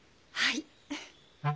はい。